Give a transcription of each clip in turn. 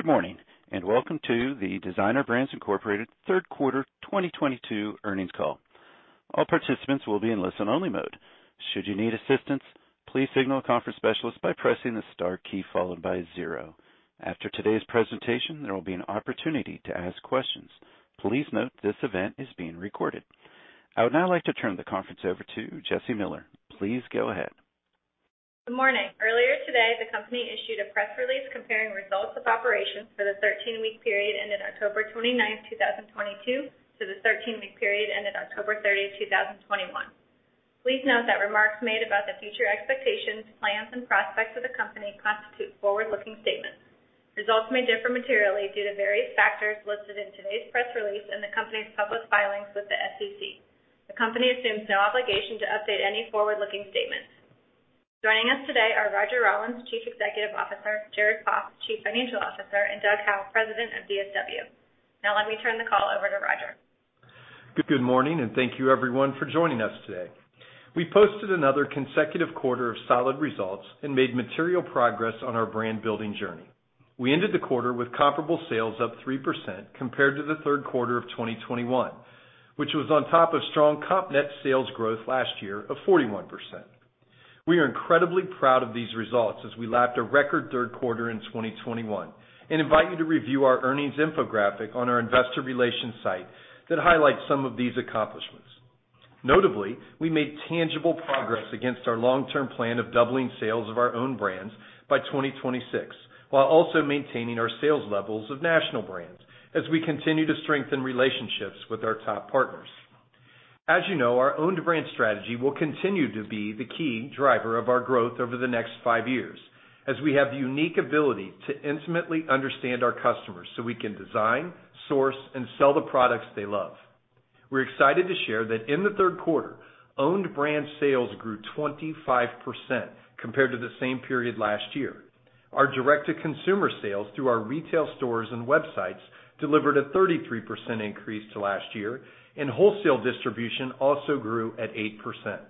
Good morning, welcome to the Designer Brands Inc. Q3 2022 earnings call. All participants will be in listen-only mode. Should you need assistance, please signal a conference specialist by pressing the star key followed by zero. After today's presentation, there will be an opportunity to ask questions. Please note this event is being recorded. I would now like to turn the conference over to Jesse Miller. Please go ahead. Good morning. Earlier today, the company issued a press release comparing results of operations for the 13-week period ended October 29th, 2022 to the 13-week period ended October 30th, 2021. Please note that remarks made about the future expectations, plans, and prospects of the company constitute forward-looking statements. Results may differ materially due to various factors listed in today's press release and the company's public filings with the SEC. The company assumes no obligation to update any forward-looking statements. Joining us today are Roger Rawlins, Chief Executive Officer, Jared Poff, Chief Financial Officer, and Doug Howe, President of DSW. Let me turn the call over to Roger. Good morning, thank you everyone for joining us today. We posted another consecutive quarter of solid results and made material progress on our brand-building journey. We ended the quarter with comparable sales up 3% compared to Q3 of 2021, which was on top of strong comp net sales growth last year of 41%. We are incredibly proud of these results as we lapped a record Q3 in 2021 and invite you to review our earnings infographic on our investor relations site that highlights some of these accomplishments. Notably, we made tangible progress against our long-term plan of doubling sales of our own brands by 2026, while also maintaining our sales levels of national brands as we continue to strengthen relationships with our top partners. As you know, our owned brand strategy will continue to be the key driver of our growth over the next five years, as we have the unique ability to intimately understand our customers, so we can design, source, and sell the products they love. We're excited to share that in Q3, owned brand sales grew 25% compared to the same period last year. Our direct-to-consumer sales through our retail stores and websites delivered a 33% increase to last year, wholesale distribution also grew at 8%.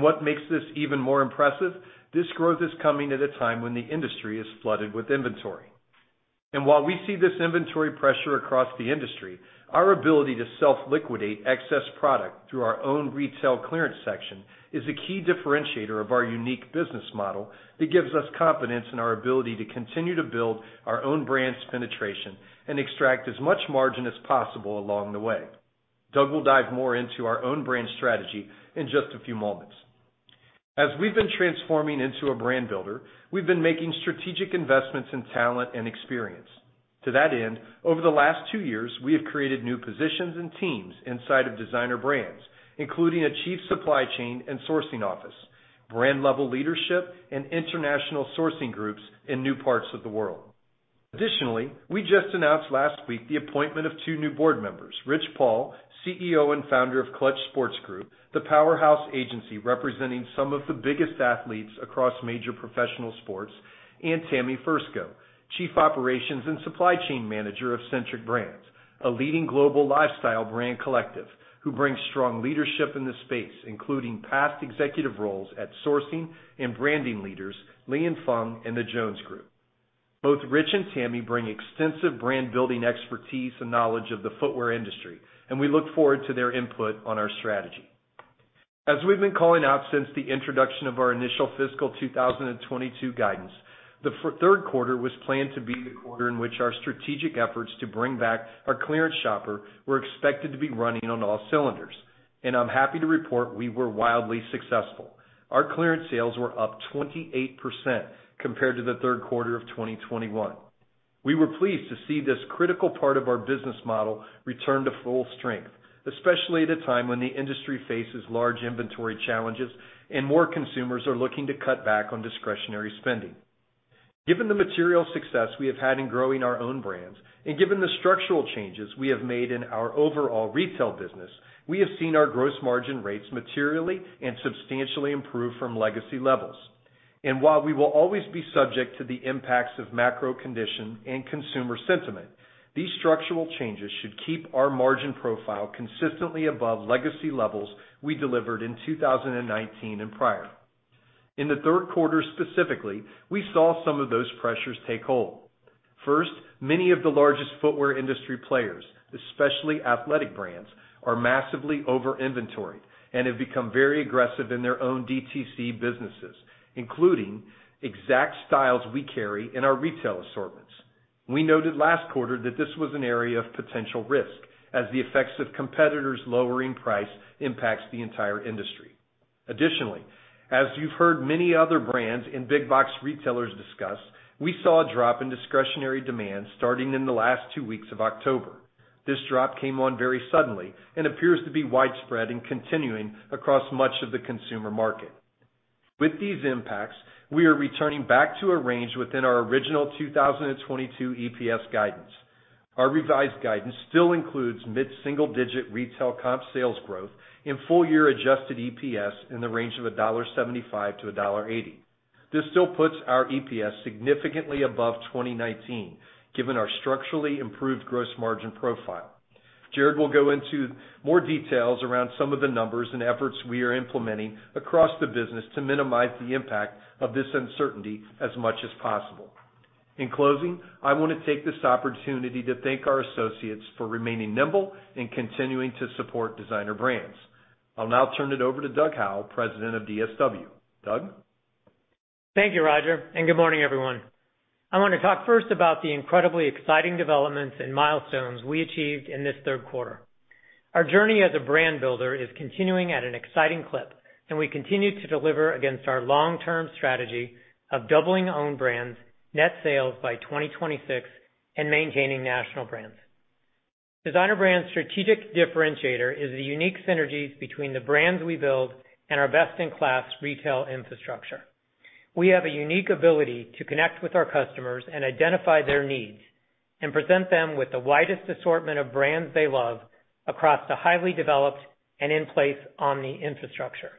What makes this even more impressive, this growth is coming at a time when the industry is flooded with inventory. While we see this inventory pressure across the industry, our ability to self-liquidate excess product through our own retail clearance section is a key differentiator of our unique business model that gives us confidence in our ability to continue to build our own brand's penetration and extract as much margin as possible along the way. Doug will dive more into our own brand strategy in just a few moments. As we've been transforming into a brand builder, we've been making strategic investments in talent and experience. To that end, over the last two years, we have created new positions and teams inside of Designer Brands, including a chief supply chain and sourcing office, brand-level leadership, and international sourcing groups in new parts of the world. We just announced last week the appointment of two new board members, Rich Paul, CEO and Founder of Klutch Sports Group, the powerhouse agency representing some of the biggest athletes across major professional sports, and Tami Fersko, Chief Operations and Supply Chain Manager of Centric Brands, a leading global lifestyle brand collective who brings strong leadership in the space, including past executive roles at sourcing and branding leaders Li & Fung and The Jones Group. Both Rich and Tami bring extensive brand-building expertise and knowledge of the footwear industry, and we look forward to their input on our strategy. As we've been calling out since the introduction of our initial fiscal 2022 guidance, Q3 was planned to be the quarter in which our strategic efforts to bring back our clearance shopper were expected to be running on all cylinders. I'm happy to report we were wildly successful. Our clearance sales were up 28% compared to Q3 of 2021. We were pleased to see this critical part of our business model return to full strength, especially at a time when the industry faces large inventory challenges and more consumers are looking to cut back on discretionary spending. Given the material success we have had in growing our own brands and given the structural changes we have made in our overall retail business, we have seen our gross margin rates materially and substantially improve from legacy levels. While we will always be subject to the impacts of macro condition and consumer sentiment, these structural changes should keep our margin profile consistently above legacy levels we delivered in 2019 and prior. In Q3, specifically, we saw some of those pressures take hold. First, many of the largest footwear industry players, especially athletic brands, are massively over-inventoried and have become very aggressive in their own DTC businesses, including exact styles we carry in our retail assortments. We noted last quarter that this was an area of potential risk as the effects of competitors lowering price impacts the entire industry. Additionally, as you've heard many other brands and big box retailers discuss, we saw a drop in discretionary demand starting in the last two weeks of October. This drop came on very suddenly and appears to be widespread and continuing across much of the consumer market. With these impacts, we are returning back to a range within our original 2022 EPS guidance. Our revised guidance still includes mid-single-digit retail comp sales growth in full-year adjusted EPS in the range of $1.75-$1.80. This still puts our EPS significantly above 2019, given our structurally improved gross margin profile. Jared will go into more details around some of the numbers and efforts we are implementing across the business to minimize the impact of this uncertainty as much as possible. In closing, I want to take this opportunity to thank our associates for remaining nimble and continuing to support Designer Brands. I'll now turn it over to Doug Howe, President of DSW. Doug? Thank you, Roger, and good morning, everyone. I want to talk first about the incredibly exciting developments and milestones we achieved in Q3. Our journey as a brand builder is continuing at an exciting clip, and we continue to deliver against our long-term strategy of doubling own brands' net sales by 2026 and maintaining national brands. Designer Brands' strategic differentiator is the unique synergies between the brands we build and our best-in-class retail infrastructure. We have a unique ability to connect with our customers and identify their needs and present them with the widest assortment of brands they love across the highly developed and in place omni infrastructure.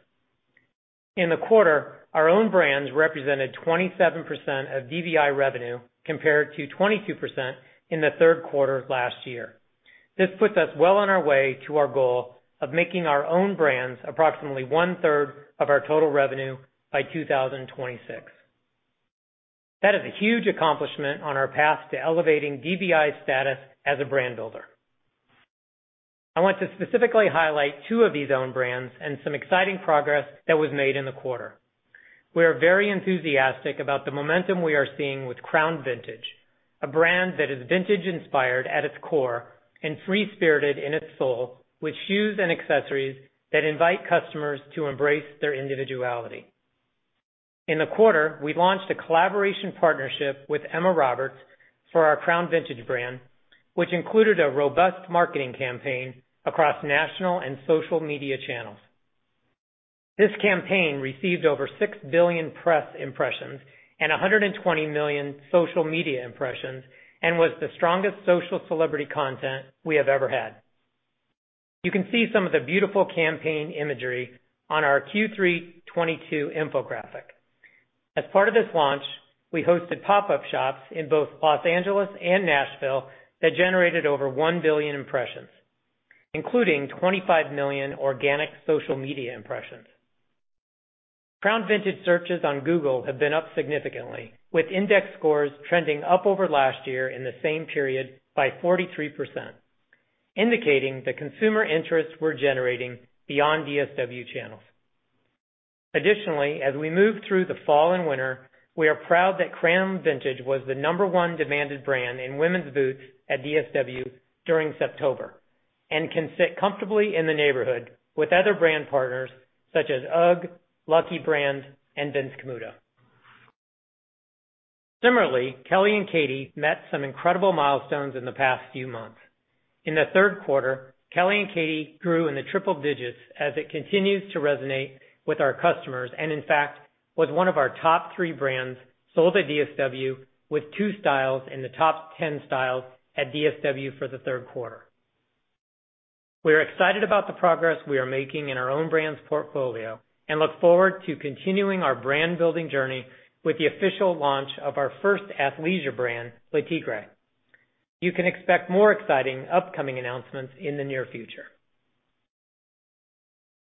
In the quarter, our own brands represented 27% of DBI revenue, compared to 22% in Q3 of last year. This puts us well on our way to our goal of making our own brands approximately 1/3 of our total revenue by 2026. That is a huge accomplishment on our path to elevating DBI status as a brand builder. I want to specifically highlight two of these own brands and some exciting progress that was made in the quarter. We are very enthusiastic about the momentum we are seeing with Crown Vintage, a brand that is vintage inspired at its core and free-spirited in its soul, with shoes and accessories that invite customers to embrace their individuality. In the quarter, we launched a collaboration partnership with Emma Roberts for our Crown Vintage brand, which included a robust marketing campaign across national and social media channels. This campaign received over 6 billion press impressions and 120 million social media impressions and was the strongest social celebrity content we have ever had. You can see some of the beautiful campaign imagery on our Q3 2022 infographic. As part of this launch, we hosted pop-up shops in both Los Angeles and Nashville that generated over 1 billion impressions, including 25 million organic social media impressions. Crown Vintage searches on Google have been up significantly, with index scores trending up over last year in the same period by 43%, indicating the consumer interests we're generating beyond DSW channels. Additionally, as we move through the fall and winter, we are proud that Crown Vintage was the number one demanded brand in women's boots at DSW during September, and can sit comfortably in the neighborhood with other brand partners such as UGG, Lucky Brand, and Vince Camuto. Similarly, Kelly & Katie met some incredible milestones in the past few months. In Q3, Kelly & Katie grew in the triple digits as it continues to resonate with our customers, in fact, was one of our top three brands sold at DSW with two styles in the top 10 styles at DSW for Q3. We're excited about the progress we are making in our own brands portfolio and look forward to continuing our brand-building journey with the official launch of our first athleisure brand, Le Tigre. You can expect more exciting upcoming announcements in the near future.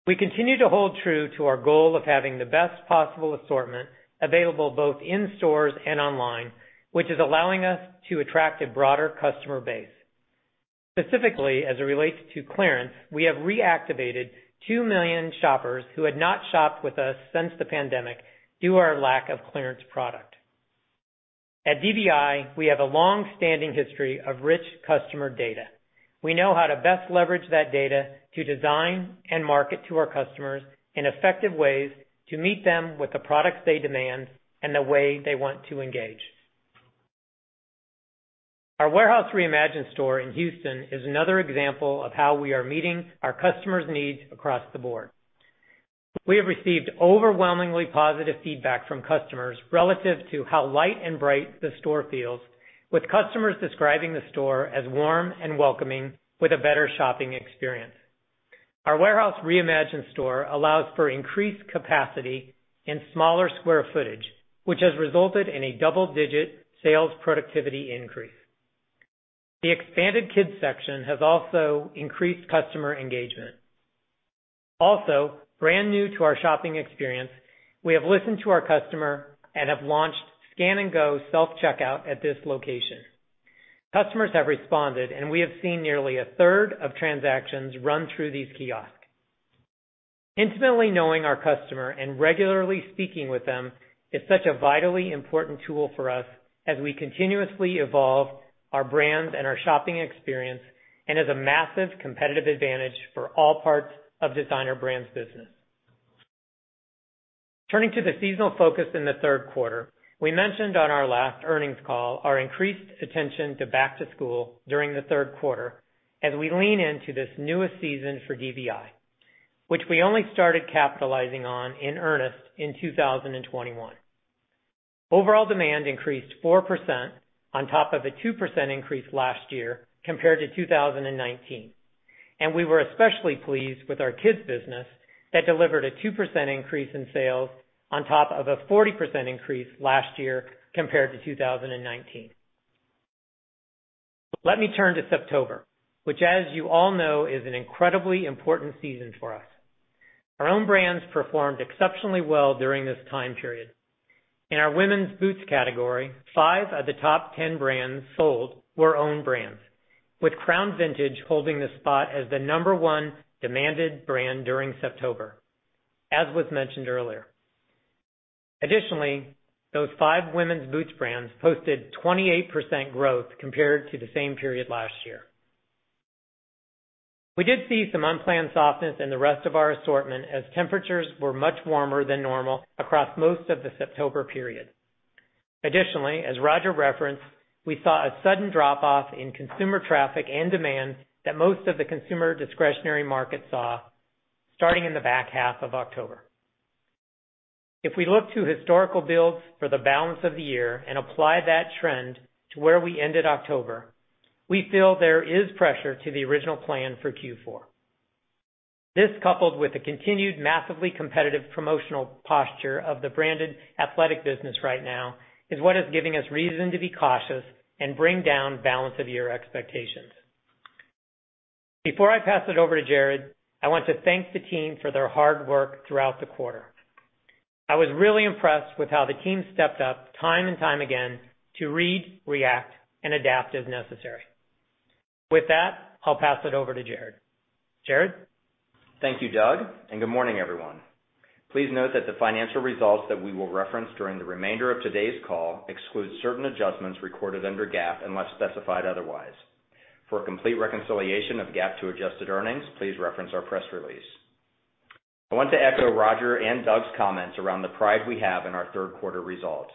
We continue to hold true to our goal of having the best possible assortment available both in stores and online, which is allowing us to attract a broader customer base. Specifically, as it relates to clearance, we have reactivated 2 million shoppers who had not shopped with us since the pandemic due our lack of clearance product. At DBI, we have a long-standing history of rich customer data. We know how to best leverage that data to design and market to our customers in effective ways to meet them with the products they demand and the way they want to engage. Our Warehouse Reimagined store in Houston is another example of how we are meeting our customers' needs across the board. We have received overwhelmingly positive feedback from customers relative to how light and bright the store feels, with customers describing the store as warm and welcoming with a better shopping experience. Our Warehouse Reimagined store allows for increased capacity in smaller square footage, which has resulted in a double-digit sales productivity increase. The expanded kids section has also increased customer engagement. Brand new to our shopping experience, we have listened to our customer and have launched scan-and-go self-checkout at this location. Customers have responded, and we have seen nearly a third of transactions run through these kiosks. Intimately knowing our customer and regularly speaking with them is such a vitally important tool for us as we continuously evolve our brands and our shopping experience and is a massive competitive advantage for all parts of Designer Brands business. Turning to the seasonal focus in Q3, we mentioned on our last earnings call our increased attention to back to school during Q3 as we lean into this newest season for DBI, which we only started capitalizing on in earnest in 2021. Overall demand increased 4% on top of a 2% increase last year compared to 2019. We were especially pleased with our kids business that delivered a 2% increase in sales on top of a 40% increase last year compared to 2019. Let me turn to September, which as you all know, is an incredibly important season for us. Our own brands performed exceptionally well during this time period. In our women's boots category, five of the top 10 brands sold were own brands, with Crown Vintage holding the spot as the number one demanded brand during September, as was mentioned earlier. Additionally, those five women's boots brands posted 28% growth compared to the same period last year. We did see some unplanned softness in the rest of our assortment as temperatures were much warmer than normal across most of the September period. Additionally, as Roger referenced, we saw a sudden drop-off in consumer traffic and demand that most of the consumer discretionary market saw starting in the back half of October. If we look to historical builds for the balance of the year and apply that trend to where we ended October, we feel there is pressure to the original plan for Q4. This, coupled with the continued massively competitive promotional posture of the branded athletic business right now, is what is giving us reason to be cautious and bring down balance of year expectations. Before I pass it over to Jared, I want to thank the team for their hard work throughout the quarter. I was really impressed with how the team stepped up time and time again to read, react and adapt as necessary. With that, I'll pass it over to Jared. Jared. Thank you, Doug, and good morning, everyone. Please note that the financial results that we will reference during the remainder of today's call exclude certain adjustments recorded under GAAP, unless specified otherwise. For a complete reconciliation of GAAP to adjusted earnings, please reference our press release. I want to echo Roger and Doug's comments around the pride we have in our Q3 results.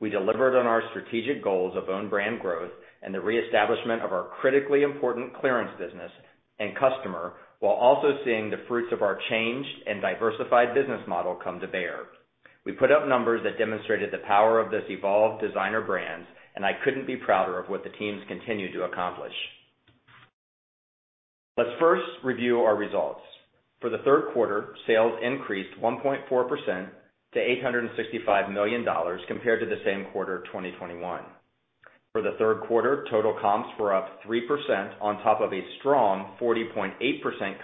We delivered on our strategic goals of own brand growth and the reestablishment of our critically important clearance business and customer, while also seeing the fruits of our changed and diversified business model come to bear. We put up numbers that demonstrated the power of this evolved Designer Brands, and I couldn't be prouder of what the teams continue to accomplish. Let's first review our results. For Q3, sales increased 1.4% to $865 million compared to the same quarter of 2021. For Q3, total comps were up 3% on top of a strong 40.8%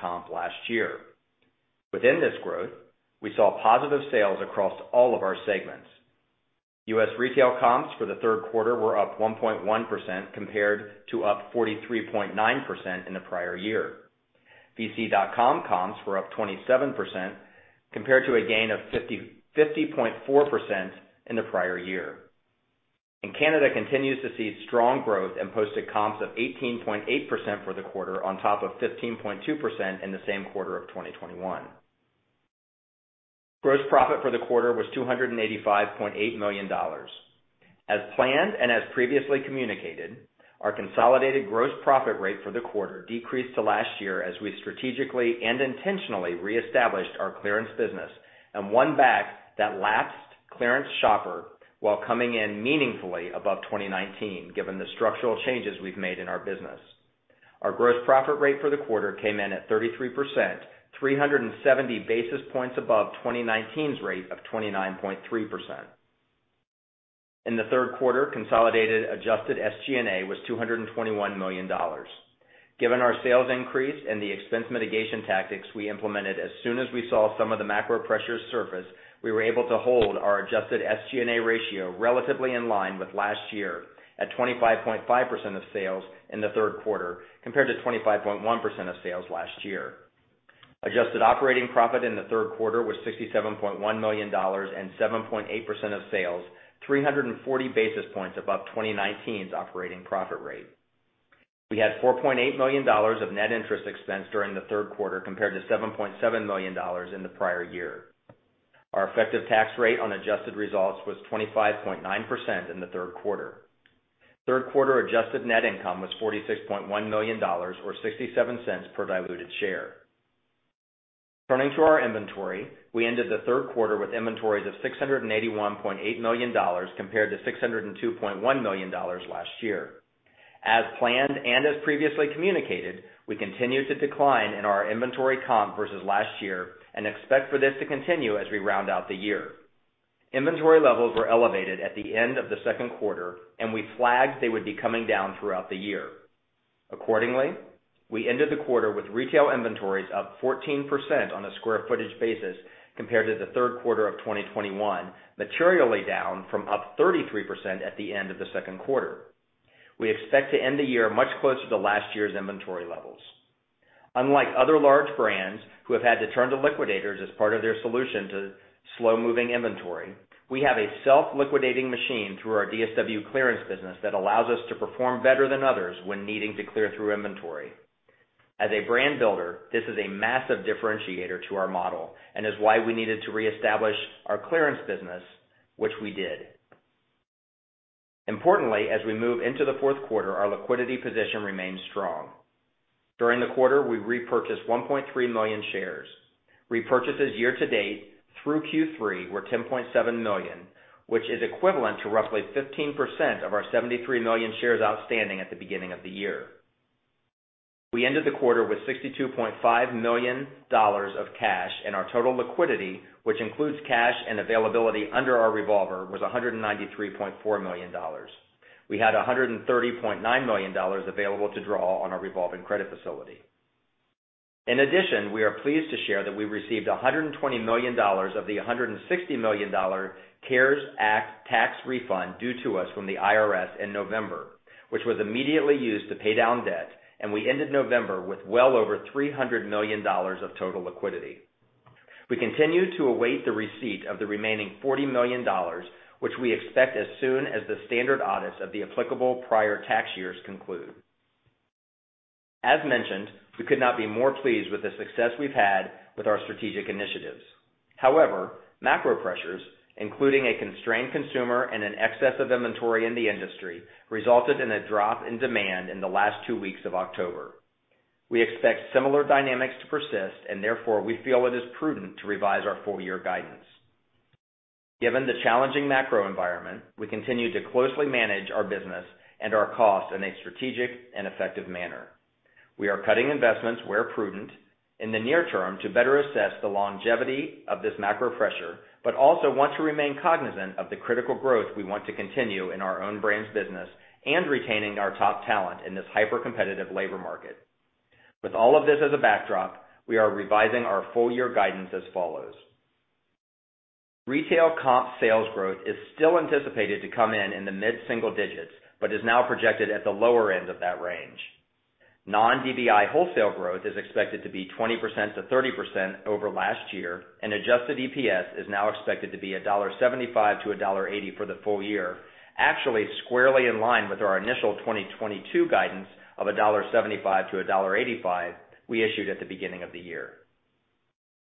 comp last year. Within this growth, we saw positive sales across all of our segments. U.S. retail comps for Q3 were up 1.1% compared to up 43.9% in the prior year. vincecamuto.com comps were up 27% compared to a gain of 50.4% in the prior year. Canada continues to see strong growth and posted comps of 18.8% for the quarter, on top of 15.2% in the same quarter of 2021. Gross profit for the quarter was $285.8 million. As planned and as previously communicated, our consolidated gross profit rate for the quarter decreased to last year as we strategically and intentionally reestablished our clearance business and won back that lapsed clearance shopper while coming in meaningfully above 2019, given the structural changes we've made in our business. Our gross profit rate for the quarter came in at 33%, 370 basis points above 2019's rate of 29.3%. In Q3, consolidated adjusted SG&A was $221 million. Given our sales increase and the expense mitigation tactics we implemented, as soon as we saw some of the macro pressures surface, we were able to hold our adjusted SG&A ratio relatively in line with last year, at 25.5% of sales in Q3, compared to 25.1% of sales last year. Adjusted operating profit in Q3 was $67.1 million and 7.8% of sales, 340 basis points above 2019's operating profit rate. We had $4.8 million of net interest expense during Q3, compared to $7.7 million in the prior year. Our effective tax rate on adjusted results was 25.9% in Q3. Q3 adjusted net income was $46.1 million or $0.67 per diluted share. Turning to our inventory, we ended Q3 with inventories of $681.8 million compared to $602.1 million last year. As planned and as previously communicated, we continue to decline in our inventory comp versus last year and expect for this to continue as we round out the year. Inventory levels were elevated at the end of Q2, and we flagged they would be coming down throughout the year. Accordingly, we ended the quarter with retail inventories up 14% on a square footage basis compared to the 3rd quarter of 2021, materially down from up 33% at the end of Q2. We expect to end the year much closer to last year's inventory levels. Unlike other large brands who have had to turn to liquidators as part of their solution to slow-moving inventory, we have a self-liquidating machine through our DSW clearance business that allows us to perform better than others when needing to clear through inventory. As a brand builder, this is a massive differentiator to our model and is why we needed to reestablish our clearance business, which we did. Importantly, as we move into Q4, our liquidity position remains strong. During the quarter, we repurchased 1.3 million shares. Repurchases year to date through Q3 were 10.7 million, which is equivalent to roughly 15% of our 73 million shares outstanding at the beginning of the year. We ended the quarter with $62.5 million of cash, and our total liquidity, which includes cash and availability under our revolver, was $193.4 million. We had $130.9 million available to draw on our revolving credit facility. In addition, we are pleased to share that we received $120 million of the $160 million CARES Act tax refund due to us from the IRS in November, which was immediately used to pay down debt. We ended November with well over $300 million of total liquidity. We continue to await the receipt of the remaining $40 million, which we expect as soon as the standard audits of the applicable prior tax years conclude. As mentioned, we could not be more pleased with the success we've had with our strategic initiatives. However, macro pressures, including a constrained consumer and an excess of inventory in the industry, resulted in a drop in demand in the last two weeks of October. We expect similar dynamics to persist and therefore we feel it is prudent to revise our full year guidance. Given the challenging macro environment, we continue to closely manage our business and our costs in a strategic and effective manner. We are cutting investments where prudent in the near term to better assess the longevity of this macro pressure, but also want to remain cognizant of the critical growth we want to continue in our own brands business and retaining our top talent in this hyper-competitive labor market. With all of this as a backdrop, we are revising our full year guidance as follows. Retail comp sales growth is still anticipated to come in in the mid single digits, but is now projected at the lower end of that range. Non-DBI wholesale growth is expected to be 20%-30% over last year, and adjusted EPS is now expected to be $1.75-$1.80 for the full year. Actually squarely in line with our initial 2022 guidance of $1.75-$1.85 we issued at the beginning of the year.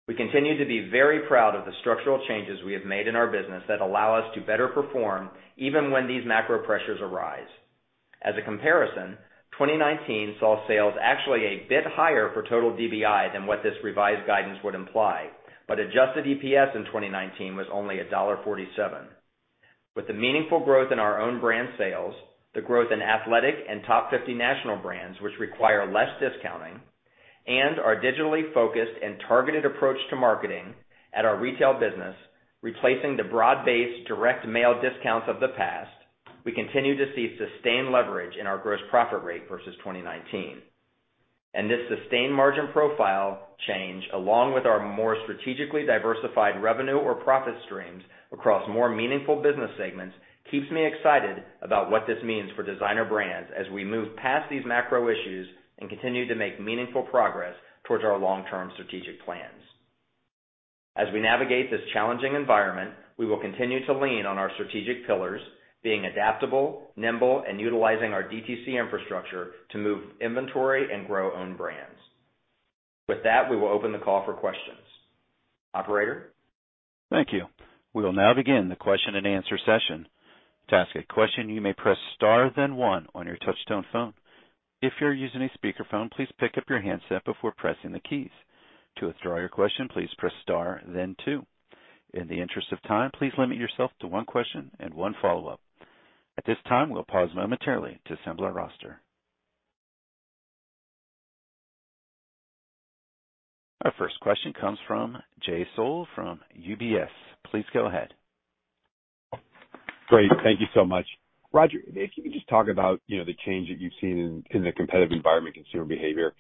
We continue to be very proud of the structural changes we have made in our business that allow us to better perform even when these macro pressures arise. As a comparison, 2019 saw sales actually a bit higher for total DBI than what this revised guidance would imply. Adjusted EPS in 2019 was only $1.47. With the meaningful growth in our own brand sales, the growth in athletic and top 50 national brands, which require less discounting, and our digitally focused and targeted approach to marketing at our retail business, replacing the broad-based direct mail discounts of the past, we continue to see sustained leverage in our gross profit rate versus 2019. This sustained margin profile change, along with our more strategically diversified revenue or profit streams across more meaningful business segments, keeps me excited about what this means for Designer Brands as we move past these macro issues and continue to make meaningful progress towards our long-term strategic plans. As we navigate this challenging environment, we will continue to lean on our strategic pillars, being adaptable, nimble, and utilizing our DTC infrastructure to move inventory and grow own brands. With that, we will open the call for questions. Operator. Thank you. We will now begin the question and answer session. To ask a question, you may press star then one on your touchtone phone. If you're using a speakerphone, please pick up your handset before pressing the keys. To withdraw your question, please press star then two. In the interest of time, please limit yourself to one question and one follow-up. At this time, we'll pause momentarily to assemble our roster. Our first question comes from Jay Sole from UBS. Please go ahead. Great. Thank you so much. Roger, if you could just talk about, the change that you've seen in the competitive environment, consumer behavior,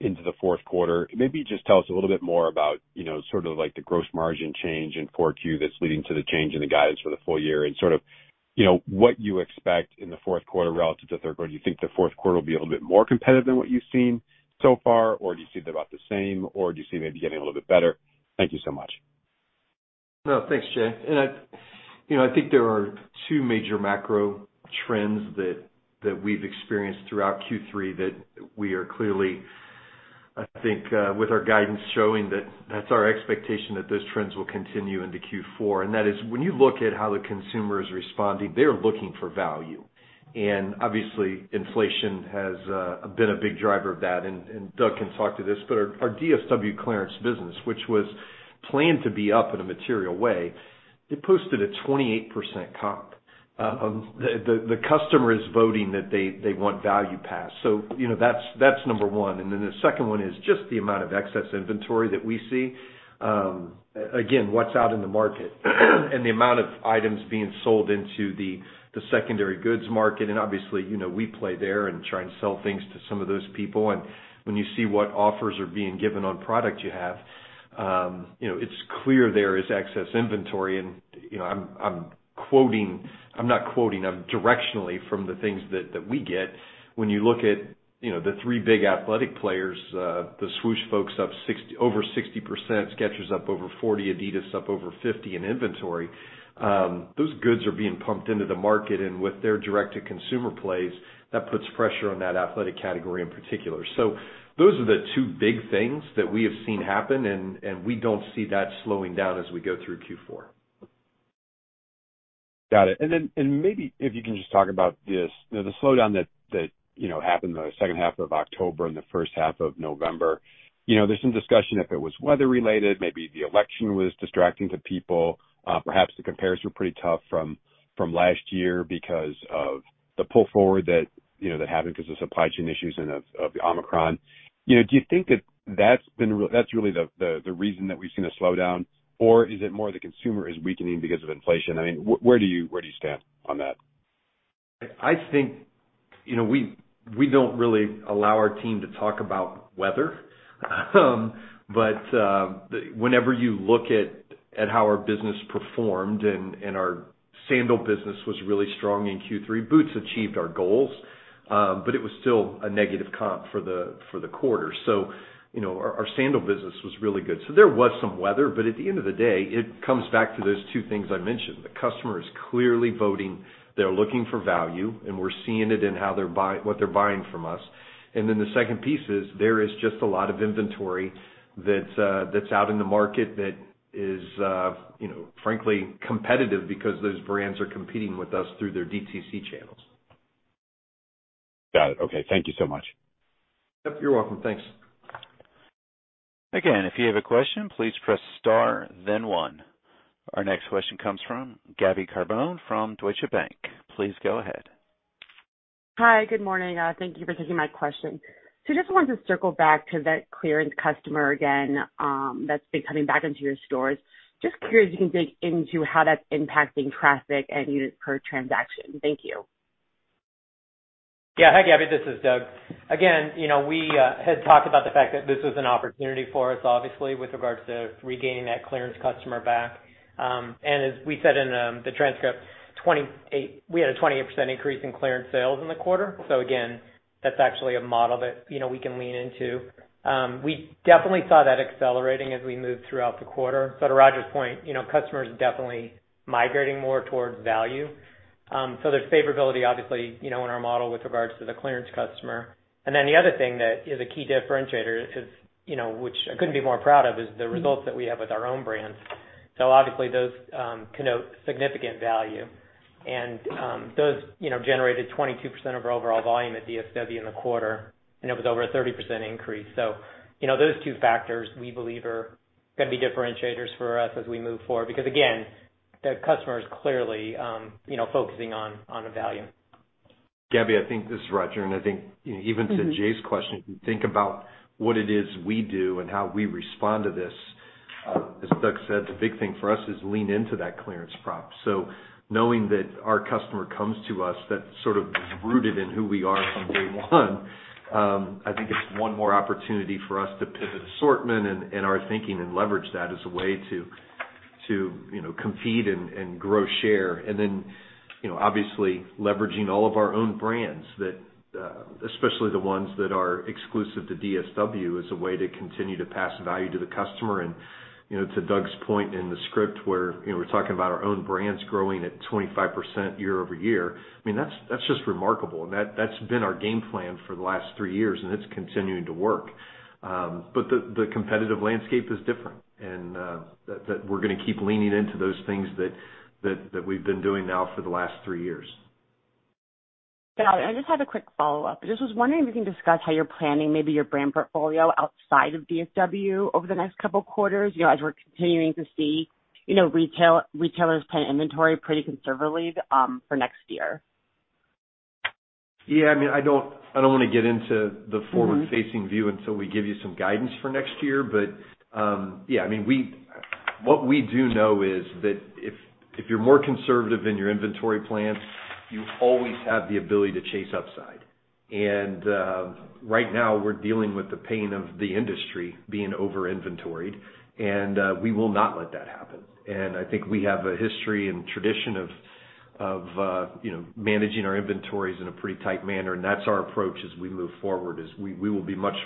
into Q4. Maybe just tell us a little bit more about, like the gross margin change in Q4 that's leading to the change in the guidance for the full year and, what you expect in Q4 relative to Q3. Do you think Q4 will be a little bit more competitive than what you've seen so far, or do you see they're about the same, or do you see maybe getting a little bit better? Thank you so much. Thanks, Jay. I think there are two major macro trends that we've experienced throughout Q3 that we are clearly, I think, with our guidance showing that that's our expectation that those trends will continue into Q4. That is when you look at how the consumer is responding, they're looking for value. Obviously, inflation has been a big driver of that, and Doug can talk to this. Our DSW clearance business, which was planned to be up in a material way, it posted a 28% comp. The customer is voting that they want value pass. that's number one. Then the second one is just the amount of excess inventory that we see. Again, what's out in the market and the amount of items being sold into the secondary goods market. Obviously, we play there and try and sell things to some of those people. When you see what offers are being given on product you have, it's clear there is excess inventory and I'm not quoting. I'm directionally from the things that we get. When you look at the three big athletic players, the Swoosh folks up over 60%, Skechers up over 40%, adidas up over 50% in inventory. Those goods are being pumped into the market, with their direct-to-consumer plays, that puts pressure on that athletic category in particular. Those are the two big things that we have seen happen and we don't see that slowing down as we go through Q4. Got it. Then, and maybe if you can just talk about this, the slowdown that, happened the second half of October and the first half of November. there's some discussion if it was weather related, maybe the election was distracting to people. Perhaps the compares were pretty tough from last year because of the pull forward that, that happened because of supply chain issues and of the Omicron. do you think that that's been that's really the reason that we've seen a slowdown, or is it more the consumer is weakening because of inflation? Where do you stand on that? I think we don't really allow our team to talk about weather. Whenever you look at how our business performed and our sandal business was really strong in Q3, boots achieved our goals. It was still a negative comp for the quarter. Our sandal business was really good. There was some weather, but at the end of the day, it comes back to those two things I mentioned. The customer is clearly voting, they're looking for value, and we're seeing it in how what they're buying from us. Then the second piece is there is just a lot of inventory that's out in the market that is frankly competitive because those brands are competing with us through their DTC channels. Got it. Okay. Thank you so much. Yes, you're welcome. Thanks. If you have a question, please press star then one. Our next question comes from Gabby Carbone from Deutsche Bank. Please go ahead. Hi, good morning. Thank you for taking my question. Just wanted to circle back to that clearance customer again, that's been coming back into your stores. Just curious if you can dig into how that's impacting traffic and units per transaction. Thank you. Hi, Gabby, this is Doug. Again, we had talked about the fact that this is an opportunity for us, obviously, with regards to regaining that clearance customer back. As we said in the transcript, we had a 28% increase in clearance sales in the quarter. Again, that's actually a model that we can lean into. We definitely saw that accelerating as we moved throughout the quarter. To Roger's point, customers definitely migrating more towards value. There's favorability obviously in our model with regards to the clearance customer. The other thing that is a key differentiator, which I couldn't be more proud of, is the results that we have with our own brands. Obviously those connote significant value. Those generated 22% of our overall volume at DSW in the quarter, and it was over a 30% increase. Those two factors we believe are going to be differentiators for us as we move forward. Again, the customer is clearly focusing on the value. Gabby, this is Roger, and I think even to Jay's question, if you think about what it is we do and how we respond to this, as Doug said, the big thing for us is lean into that clearance prop. Knowing that our customer comes to us, that is rooted in who we are from day one, I think it's one more opportunity for us to pivot assortment and our thinking and leverage that as a way to compete and grow share. obviously leveraging all of our own brands that especially the ones that are exclusive to DSW as a way to continue to pass value to the customer. To Doug's point in the script where we're talking about our own brands growing at 25% year-over-year, that's just remarkable. That's been our game plan for the last three years, and it's continuing to work but the competitive landscape is different and that we're going to keep leaning into those things that we've been doing now for the last three years. Got it. I just have a quick follow-up. I just was wondering if you can discuss how you're planning maybe your brand portfolio outside of DSW over the next couple quarters, as we're continuing to see, retailers plan inventory pretty conservatively for next year. I don't want to get into the forward-facing view until we give you some guidance for next year. What we do know is that if you're more conservative in your inventory plans, you always have the ability to chase upside. Right now we're dealing with the pain of the industry being over inventoried, and we will not let that happen. I think we have a history and tradition of managing our inventories in a pretty tight manner, and that's our approach as we move forward, is we will be much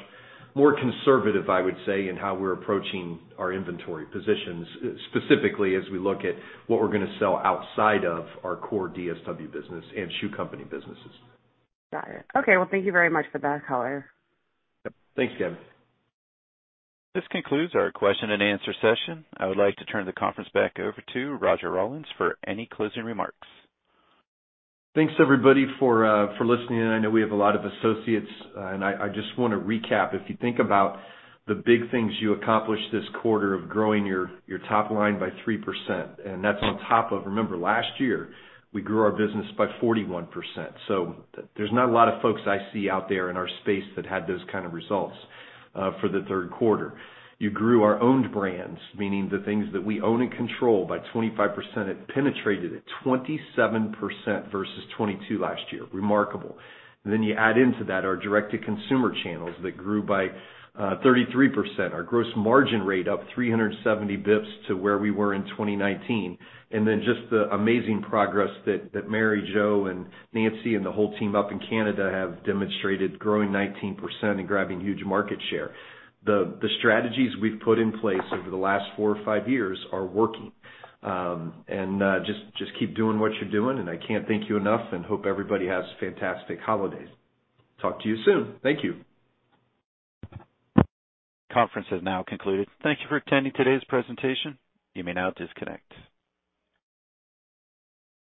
more conservative, I would say, in how we're approaching our inventory positions, specifically as we look at what we're going to sell outside of our core DSW business and Shoe Company businesses. Got it. Okay, well, thank you very much for that color. Yes. Thanks, Gabby. This concludes our question and answer session. I would like to turn the conference back over to Roger Rawlins for any closing remarks. Thanks, everybody, for listening in. I know we have a lot of associates, I just want to recap. If you think about the big things you accomplished this quarter of growing your top line by 3%, that's on top of, remember, last year, we grew our business by 41%. There's not a lot of folks I see out there in our space that had those results for Q3. You grew our own brands, meaning the things that we own and control by 25%. It penetrated at 27% versus 22% last year. Remarkable. You add into that our direct-to-consumer channels that grew by 33%. Our gross margin rate up 370 basis points to where we were in 2019. Then just the amazing progress that Mary Jo and Nancy and the whole team up in Canada have demonstrated growing 19% and grabbing huge market share. The strategies we've put in place over the last four or five years are working. Just keep doing what you're doing, and I can't thank you enough and hope everybody has fantastic holidays. Talk to you soon. Thank you. Conference has now concluded. Thank you for attending today's presentation. You may now disconnect.